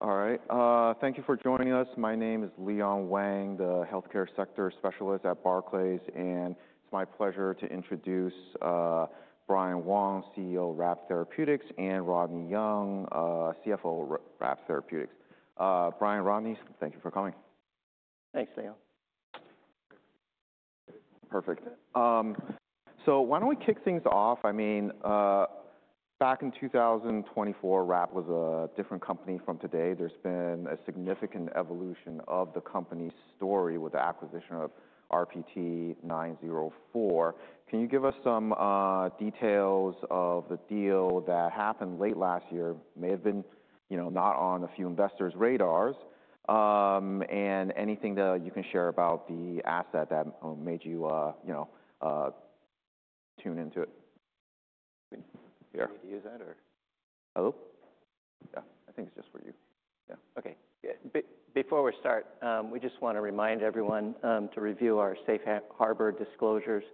All right. Thank you for joining us. My name is Leon Wang, the Healthcare Sector Specialist at Barclays, and it's my pleasure to introduce Brian Wong, CEO of RAPT Therapeutics, and Rodney Young, CFO of RAPT Therapeutics. Brian, Rodney, thank you for coming. Thanks, Leon. Perfect. Why don't we kick things off? I mean, back in 2024, RAPT was a different company from today. There has been a significant evolution of the company's story with the acquisition of RPT904. Can you give us some details of the deal that happened late last year? It may have been not on a few investors' radars. Anything that you can share about the asset that made you tune into it? Do you need to use that or... Hello? Yeah, I think it's just for you. Yeah. Okay. Before we start, we just want to remind everyone to review our safe harbor disclosures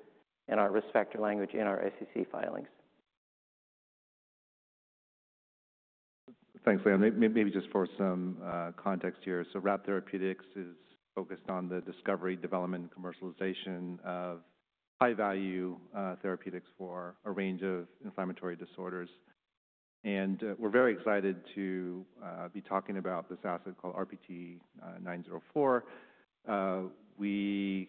and our risk factor language in our SEC filings. Thanks, Leon. Maybe just for some context here. RAPT Therapeutics is focused on the discovery, development, and commercialization of high-value therapeutics for a range of inflammatory disorders. We're very excited to be talking about this asset called RPT904. We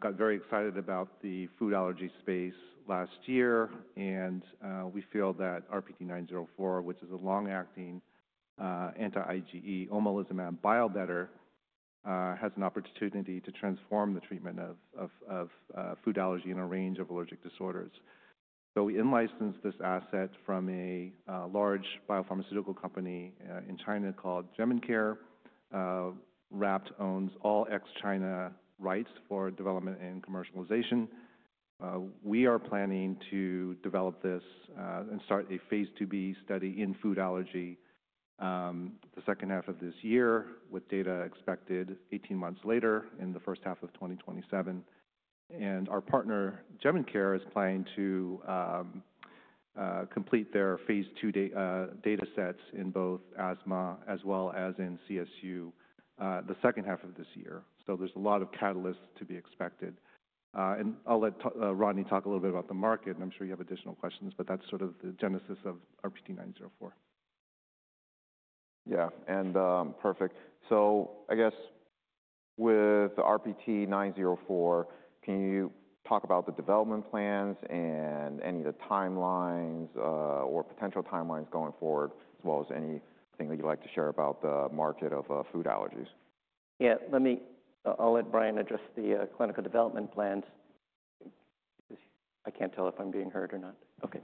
got very excited about the food allergy space last year, and we feel that RPT904, which is a long-acting anti-IgE, omalizumab biobetter, has an opportunity to transform the treatment of food allergy in a range of allergic disorders. We in-licensed this asset from a large biopharmaceutical company in China called Jemincare. RAPT owns all ex-China rights for development and commercialization. We are planning to develop this and start a phase 2b study in food allergy the second half of this year, with data expected 18 months later in the first half of 2027. Our partner, Jemincare, is planning to complete their phase 2 data sets in both asthma as well as in CSU the second half of this year. There is a lot of catalysts to be expected. I'll let Rodney talk a little bit about the market, and I'm sure you have additional questions, but that's sort of the genesis of RPT904. Yeah. Perfect. I guess with RPT904, can you talk about the development plans and any of the timelines or potential timelines going forward, as well as anything that you'd like to share about the market of food allergies? Yeah. I'll let Brian address the clinical development plans. I can't tell if I'm being heard or not. Okay.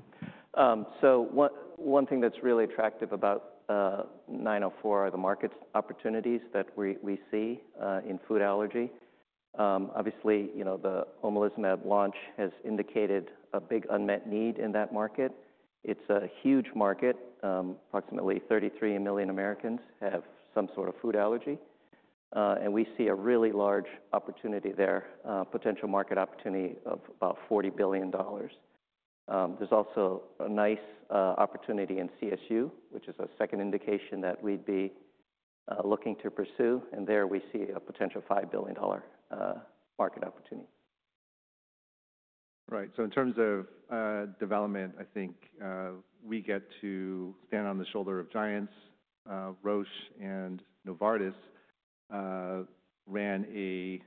One thing that's really attractive about 904 are the market opportunities that we see in food allergy. Obviously, the omalizumab launch has indicated a big unmet need in that market. It's a huge market. Approximately 33 million Americans have some sort of food allergy. We see a really large opportunity there, potential market opportunity of about $40 billion. There's also a nice opportunity in CSU, which is a second indication that we'd be looking to pursue. There we see a potential $5 billion market opportunity. Right. In terms of development, I think we get to stand on the shoulder of giants. Roche and Novartis ran a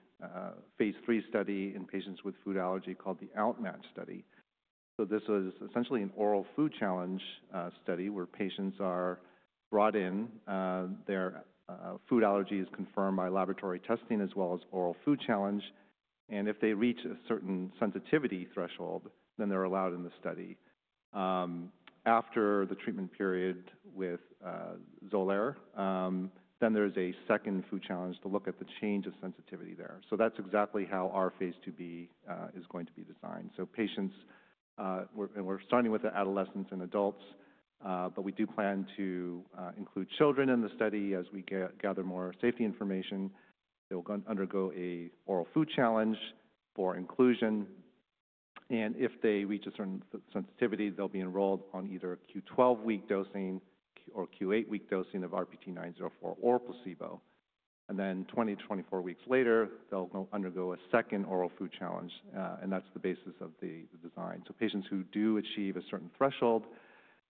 phase 3 study in patients with food allergy called the OUTMATCH study. This was essentially an oral food challenge study where patients are brought in. Their food allergy is confirmed by laboratory testing as well as oral food challenge. If they reach a certain sensitivity threshold, then they're allowed in the study. After the treatment period with Xolair, there is a second food challenge to look at the change of sensitivity there. That is exactly how our phase 2b is going to be designed. Patients, and we're starting with adolescents and adults, but we do plan to include children in the study as we gather more safety information, will undergo an oral food challenge for inclusion. If they reach a certain sensitivity, they'll be enrolled on either a Q12 week dosing or Q8 week dosing of RPT904 or placebo. Twenty to twenty-four weeks later, they'll undergo a second oral food challenge. That's the basis of the design. Patients who do achieve a certain threshold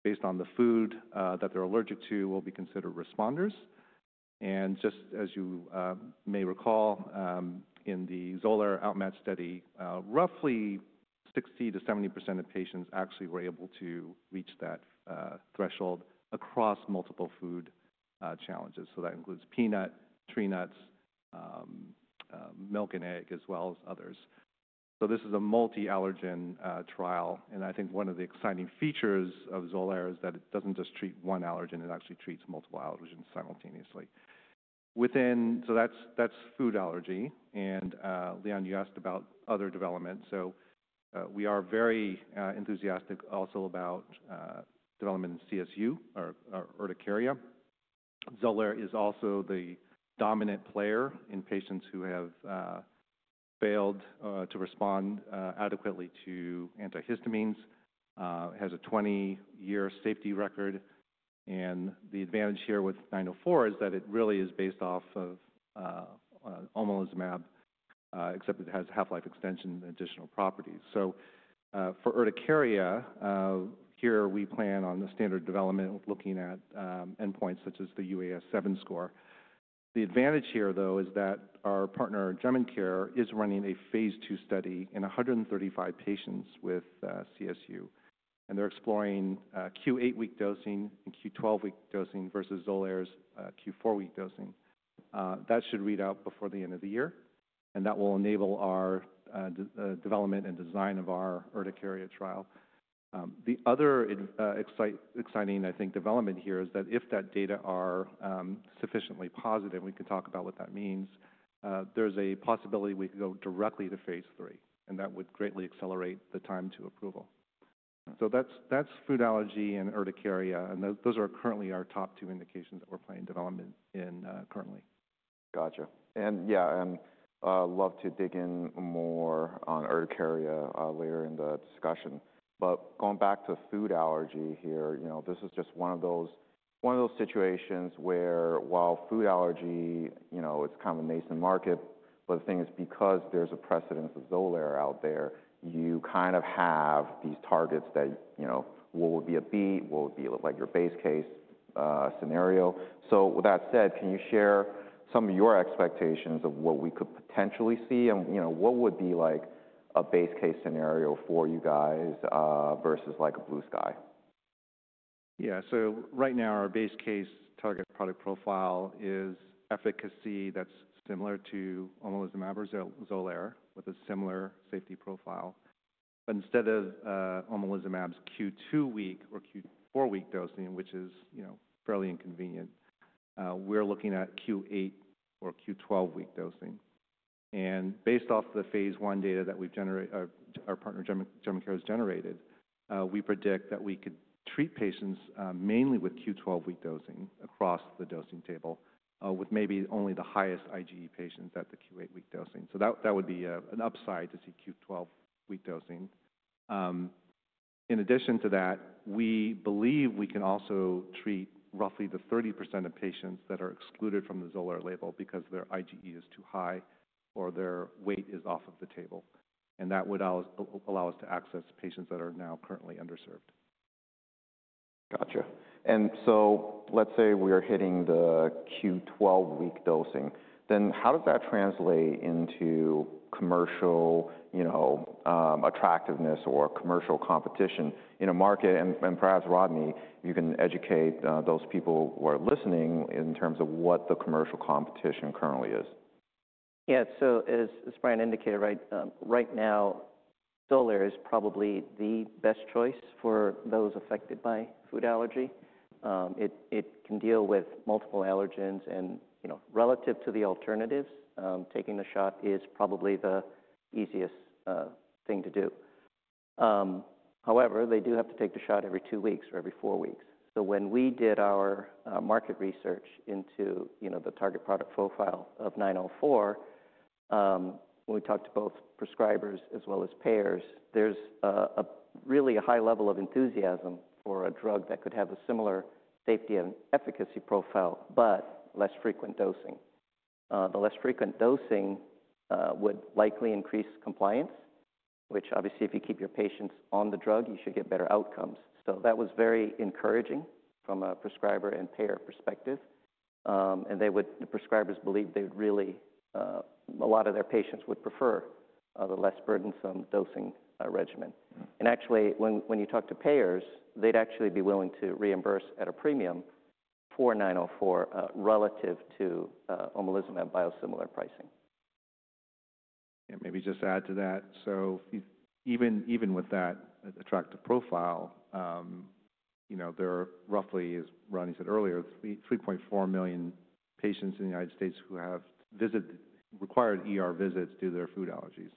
based on the food that they're allergic to will be considered responders. Just as you may recall, in the Xolair, OUTMATCH study, roughly 60%-70% of patients actually were able to reach that threshold across multiple food challenges. That includes peanut, tree nuts, milk, and egg, as well as others. This is a multi-allergen trial. I think one of the exciting features of Xolair is that it doesn't just treat one allergen. It actually treats multiple allergens simultaneously. That's food allergy. Leon, you asked about other developments. We are very enthusiastic also about development in CSU or urticaria. Xolair is also the dominant player in patients who have failed to respond adequately to antihistamines. It has a 20-year safety record. The advantage here with 904 is that it really is based off of omalizumab, except it has half-life extension and additional properties. For urticaria, here we plan on the standard development, looking at endpoints such as the UAS7 score. The advantage here, though, is that our partner, Jemincare, is running a phase 2 study in 135 patients with CSU. They are exploring Q8 week dosing and Q12 week dosing versus Xolair's Q4 week dosing. That should read out before the end of the year. That will enable our development and design of our urticaria trial. The other exciting, I think, development here is that if that data are sufficiently positive, and we can talk about what that means, there's a possibility we could go directly to phase 3. That would greatly accelerate the time to approval. That's food allergy and urticaria. Those are currently our top two indications that we're planning development in currently. Gotcha. Yeah, I'd love to dig in more on urticaria later in the discussion. Going back to food allergy here, this is just one of those situations where while food allergy, it's kind of a nascent market, but the thing is because there's a precedent for Xolair out there, you kind of have these targets that what would be, what would be like your base case scenario. With that said, can you share some of your expectations of what we could potentially see? What would be like a base case scenario for you guys versus like a blue sky? Yeah. Right now, our base case target product profile is efficacy that's similar to omalizumab or Xolair with a similar safety profile. Instead of omalizumab's Q2 week or Q4 week dosing, which is fairly inconvenient, we're looking at Q8 or Q12 week dosing. Based off the phase 1 data that our partner, Jemincare, has generated, we predict that we could treat patients mainly with Q12 week dosing across the dosing table, with maybe only the highest IgE patients at the Q8 week dosing. That would be an upside to see Q12 week dosing. In addition to that, we believe we can also treat roughly the 30% of patients that are excluded from the Xolair label because their IgE is too high or their weight is off of the table. That would allow us to access patients that are now currently underserved. Gotcha. Let's say we are hitting the Q12 week dosing. How does that translate into commercial attractiveness or commercial competition in a market? Perhaps, Rodney, you can educate those people who are listening in terms of what the commercial competition currently is. Yeah. As Brian indicated, right now, Xolair is probably the best choice for those affected by food allergy. It can deal with multiple allergens. Relative to the alternatives, taking the shot is probably the easiest thing to do. However, they do have to take the shot every two weeks or every four weeks. When we did our market research into the target product profile of 904, when we talked to both prescribers as well as payers, there is really a high level of enthusiasm for a drug that could have a similar safety and efficacy profile, but less frequent dosing. The less frequent dosing would likely increase compliance, which obviously, if you keep your patients on the drug, you should get better outcomes. That was very encouraging from a prescriber and payer perspective. The prescribers believed a lot of their patients would prefer the less burdensome dosing regimen. Actually, when you talk to payers, they'd actually be willing to reimburse at a premium for 904 relative to omalizumab biosimilar pricing. Yeah. Maybe just add to that. Even with that attractive profile, there are roughly, as Rodney said earlier, 3.4 million patients in the United States who have required visits due to their food allergies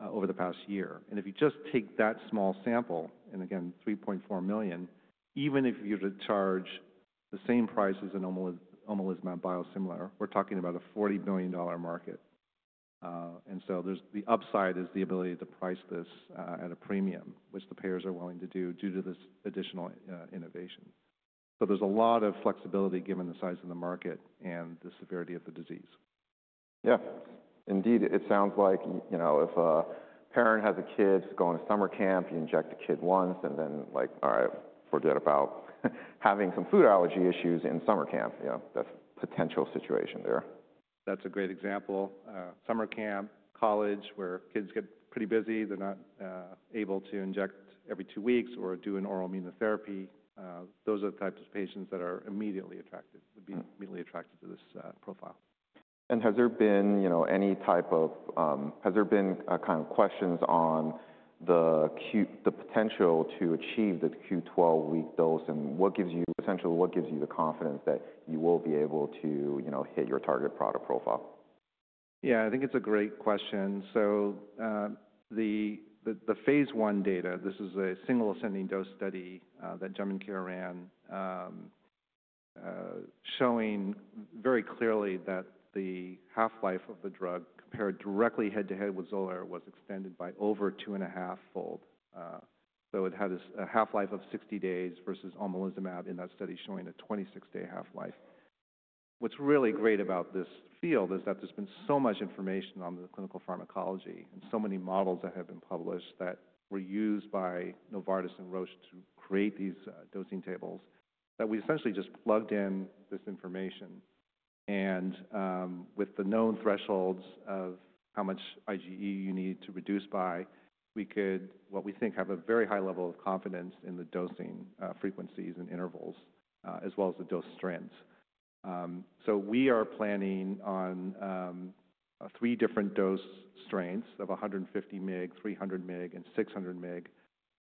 over the past year. If you just take that small sample, and again, 3.4 million, even if you were to charge the same price as an omalizumab biosimilar, we're talking about a $40 billion market. The upside is the ability to price this at a premium, which the payers are willing to do due to this additional innovation. There is a lot of flexibility given the size of the market and the severity of the disease. Yeah. Indeed, it sounds like if a parent has a kid going to summer camp, you inject a kid once, and then like, all right, forget about having some food allergy issues in summer camp. That's a potential situation there. That's a great example. Summer camp, college where kids get pretty busy. They're not able to inject every two weeks or do an oral immunotherapy. Those are the types of patients that are immediately attracted to this profile. Has there been any type of, has there been kind of questions on the potential to achieve the Q12 week dose? Essentially, what gives you the confidence that you will be able to hit your target product profile? Yeah. I think it's a great question. The phase 1 data, this is a single ascending dose study that Jemincare ran, showing very clearly that the half-life of the drug compared directly head to head with Xolair was extended by over two and a half fold. It had a half-life of 60 days versus omalizumab in that study showing a 26-day half-life. What's really great about this field is that there's been so much information on the clinical pharmacology and so many models that have been published that were used by Novartis and Roche to create these dosing tables that we essentially just plugged in this information. With the known thresholds of how much IgE you need to reduce by, we could, what we think, have a very high level of confidence in the dosing frequencies and intervals, as well as the dose strengths. We are planning on three different dose strengths of 150 mg, 300 mg, and 600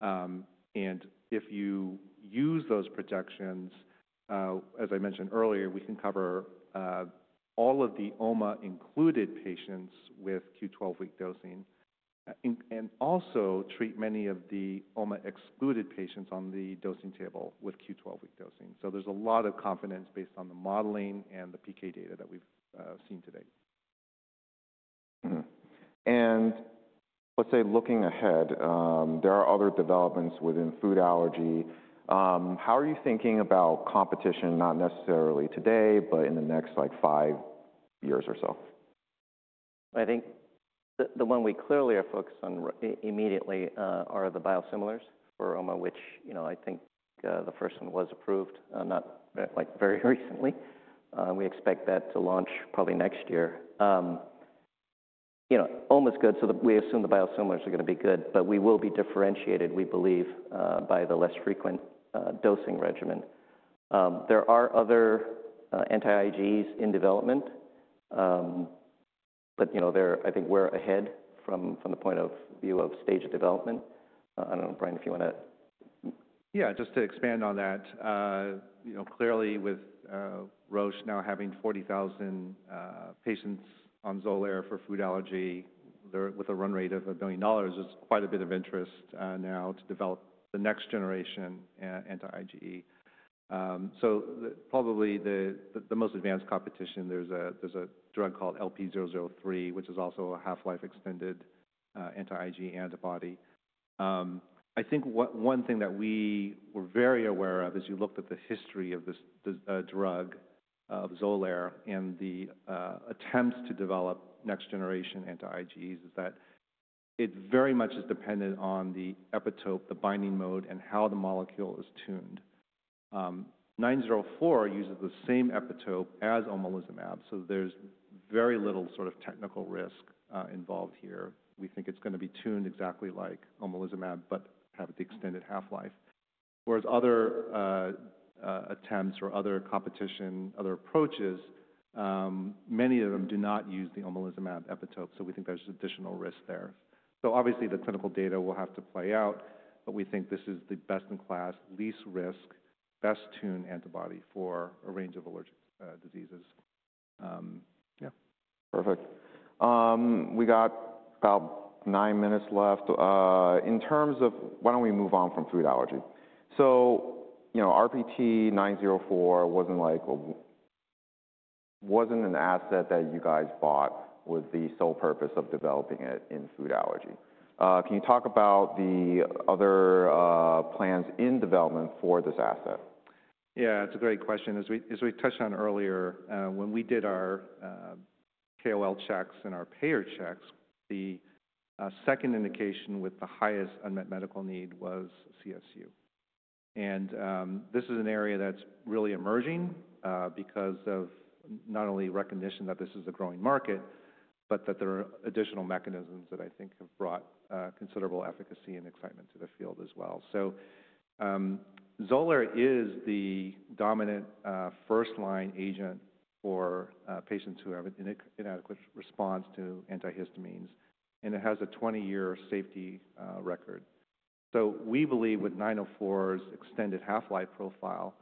mg. If you use those projections, as I mentioned earlier, we can cover all of the OMA-included patients with Q12 week dosing and also treat many of the OMA-excluded patients on the dosing table with Q12 week dosing. There is a lot of confidence based on the modeling and the PK data that we've seen today. Looking ahead, there are other developments within food allergy. How are you thinking about competition, not necessarily today, but in the next five years or so? I think the one we clearly are focused on immediately are the biosimilars for Omalizumab, which I think the first one was approved very recently. We expect that to launch probably next year. Omalizumab is good, so we assume the biosimilars are going to be good. We will be differentiated, we believe, by the less frequent dosing regimen. There are other anti-IgEs in development. I think we're ahead from the point of view of stage of development. I don't know, Brian, if you want to. Yeah. Just to expand on that. Clearly, with Roche now having 40,000 patients on Xolair for food allergy with a run rate of $1 billion, there's quite a bit of interest now to develop the next generation anti-IgE. Probably the most advanced competition, there's a drug called LP003, which is also a half-life extended anti-IgE antibody. I think one thing that we were very aware of as you looked at the history of this drug of Xolair and the attempts to develop next generation anti-IgEs is that it very much is dependent on the epitope, the binding mode, and how the molecule is tuned. 904 uses the same epitope as omalizumab. There's very little sort of technical risk involved here. We think it's going to be tuned exactly like omalizumab, but have the extended half-life. Whereas other attempts or other competition, other approaches, many of them do not use the omalizumab epitope. We think there's additional risk there. Obviously, the clinical data will have to play out. We think this is the best in class, least risk, best-tuned antibody for a range of allergic diseases. Yeah. Perfect. We got about nine minutes left. In terms of, why don't we move on from food allergy? RPT904 wasn't an asset that you guys bought with the sole purpose of developing it in food allergy. Can you talk about the other plans in development for this asset? Yeah. That's a great question. As we touched on earlier, when we did our KOL checks and our payer checks, the second indication with the highest unmet medical need was CSU. This is an area that's really emerging because of not only recognition that this is a growing market, but that there are additional mechanisms that I think have brought considerable efficacy and excitement to the field as well. Xolair is the dominant first-line agent for patients who have an inadequate response to antihistamines. It has a 20-year safety record. We believe with 904's extended half-life profile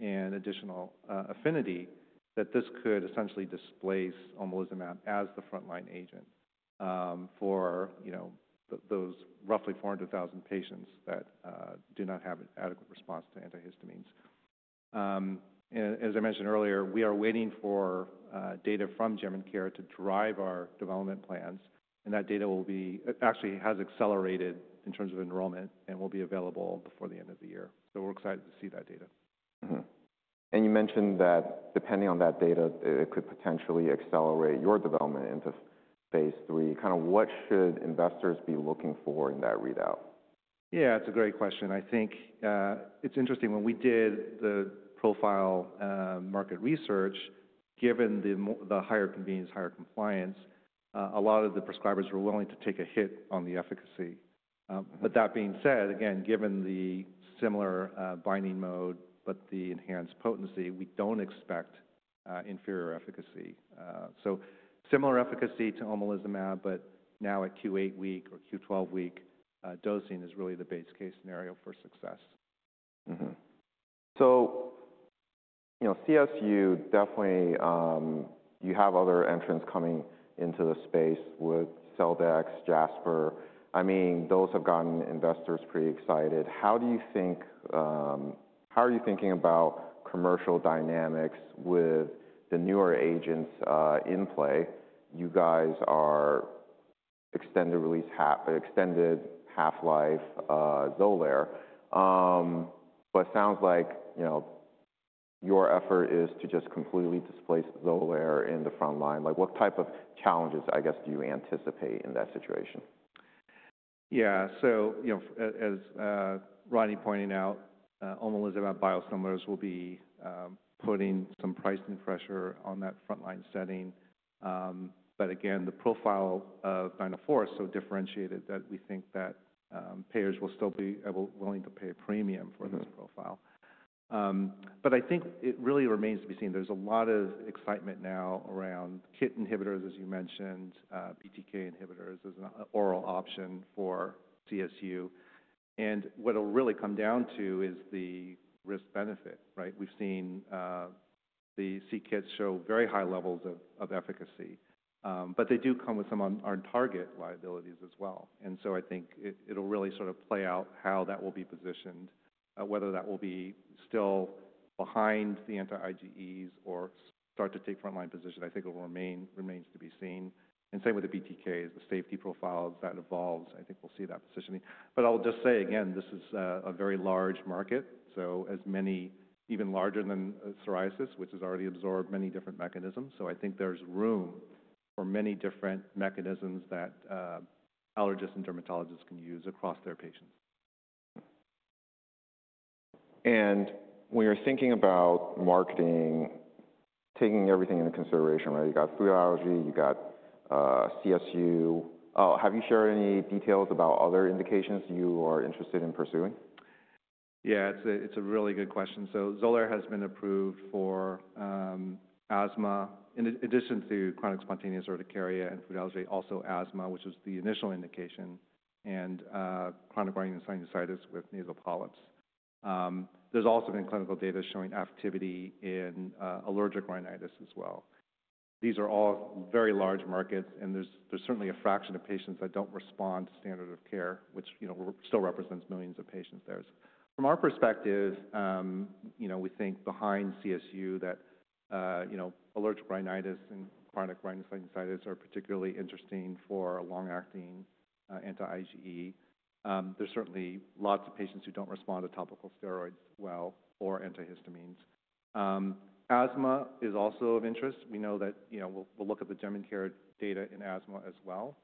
and additional affinity that this could essentially displace omalizumab as the front-line agent for those roughly 400,000 patients that do not have an adequate response to antihistamines. As I mentioned earlier, we are waiting for data from Jemincare to drive our development plans. That data actually has accelerated in terms of enrollment and will be available before the end of the year. We're excited to see that data. You mentioned that depending on that data, it could potentially accelerate your development into phase 3. Kind of what should investors be looking for in that readout? Yeah. It's a great question. I think it's interesting. When we did the profile market research, given the higher convenience, higher compliance, a lot of the prescribers were willing to take a hit on the efficacy. That being said, again, given the similar binding mode, but the enhanced potency, we do not expect inferior efficacy. Similar efficacy to omalizumab, but now at Q8 week or Q12 week dosing is really the base case scenario for success. CSU definitely, you have other entrants coming into the space with Celldex, Jasper. I mean, those have gotten investors pretty excited. How do you think, how are you thinking about commercial dynamics with the newer agents in play? You guys are extended half-life Xolair. It sounds like your effort is to just completely displace Xolair in the front line. What type of challenges, I guess, do you anticipate in that situation? Yeah. As Rodney pointed out, omalizumab biosimilars will be putting some pricing pressure on that front-line setting. Again, the profile of 904 is so differentiated that we think that payers will still be willing to pay a premium for this profile. I think it really remains to be seen. There's a lot of excitement now around KIT inhibitors, as you mentioned, BTK inhibitors as an oral option for CSU. What it'll really come down to is the risk-benefit, right? We've seen the c-KITs show very high levels of efficacy. They do come with some on-target liabilities as well. I think it'll really sort of play out how that will be positioned, whether that will be still behind the anti-IgEs or start to take front-line position. I think it remains to be seen. Same with the BTKs, the safety profiles that evolve, I think we'll see that positioning. I'll just say again, this is a very large market. As many, even larger than psoriasis, which has already absorbed many different mechanisms. I think there's room for many different mechanisms that allergists and dermatologists can use across their patients. When you're thinking about marketing, taking everything into consideration, right? You got food allergy, you got CSU. Oh, have you shared any details about other indications you are interested in pursuing? Yeah. It's a really good question. Xolair has been approved for asthma, in addition to chronic spontaneous urticaria and food allergy, also asthma, which was the initial indication, and chronic rhinosinusitis with nasal polyps. There's also been clinical data showing activity in allergic rhinitis as well. These are all very large markets. There's certainly a fraction of patients that don't respond to standard of care, which still represents millions of patients there. From our perspective, we think behind CSU that allergic rhinitis and chronic rhinosinusitis are particularly interesting for long-acting anti-IgE. There's certainly lots of patients who don't respond to topical steroids well or antihistamines. Asthma is also of interest. We know that we'll look at the Jemincare data in asthma as well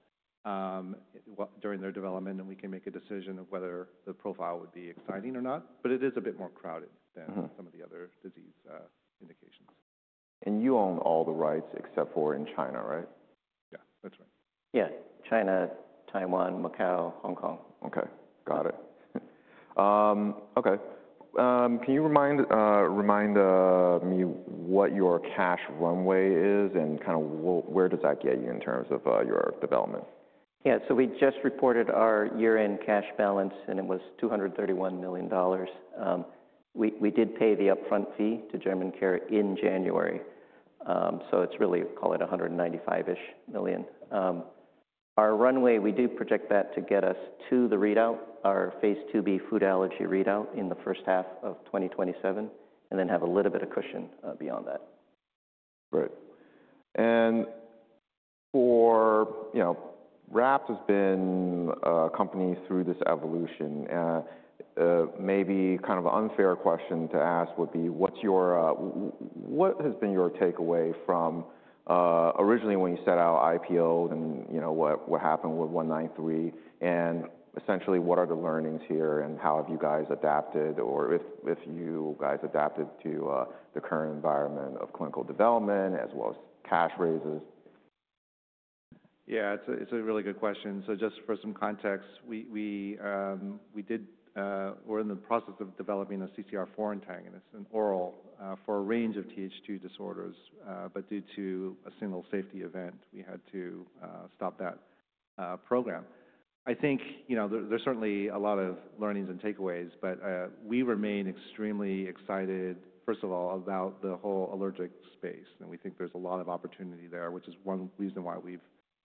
during their development. We can make a decision of whether the profile would be exciting or not. It is a bit more crowded than some of the other disease indications. You own all the rights except for in China, right? Yeah. That's right. Yeah. China, Taiwan, Macau, Hong Kong. Okay. Got it. Okay. Can you remind me what your cash runway is and kind of where does that get you in terms of your development? Yeah. We just reported our year-end cash balance, and it was $231 million. We did pay the upfront fee to Jemincare in January. It is really, call it $195 million-ish. Our runway, we do project that to get us to the readout, our phase 2b food allergy readout in the first half of 2027, and then have a little bit of cushion beyond that. Great. For RAPT has been a company through this evolution. Maybe kind of an unfair question to ask would be, what has been your takeaway from originally when you set out IPO and what happened with 193? Essentially, what are the learnings here? How have you guys adapted or if you guys adapted to the current environment of clinical development as well as cash raises? Yeah. It's a really good question. Just for some context, we were in the process of developing a CCR4 antagonist, an oral, for a range of Th2 disorders. Due to a single safety event, we had to stop that program. I think there's certainly a lot of learnings and takeaways. We remain extremely excited, first of all, about the whole allergic space. We think there's a lot of opportunity there, which is one reason why we've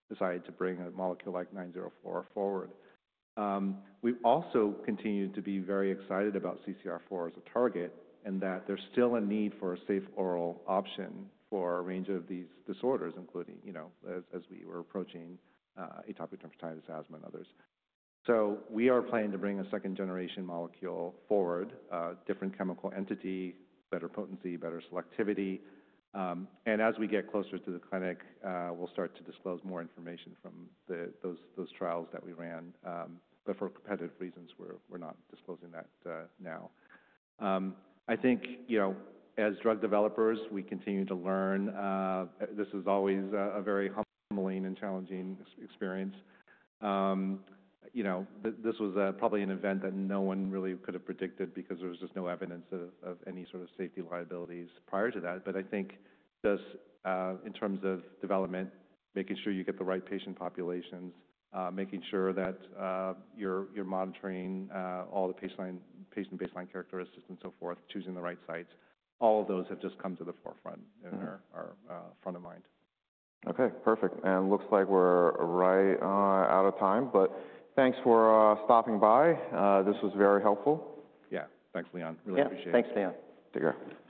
decided to bring a molecule like 904 forward. We also continue to be very excited about CCR4 as a target and that there's still a need for a safe oral option for a range of these disorders, including as we were approaching atopic dermatitis, asthma, and others. We are planning to bring a second-generation molecule forward, different chemical entity, better potency, better selectivity. As we get closer to the clinic, we'll start to disclose more information from those trials that we ran. For competitive reasons, we're not disclosing that now. I think as drug developers, we continue to learn. This is always a very humbling and challenging experience. This was probably an event that no one really could have predicted because there was just no evidence of any sort of safety liabilities prior to that. I think just in terms of development, making sure you get the right patient populations, making sure that you're monitoring all the patient baseline characteristics and so forth, choosing the right sites, all of those have just come to the forefront and are front of mind. Okay. Perfect. It looks like we're right out of time. Thanks for stopping by. This was very helpful. Yeah. Thanks, Leon. Really appreciate it. Yeah. Thanks, Leon. Take care.